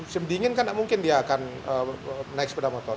semdingin kan tidak mungkin dia akan naik sepeda motor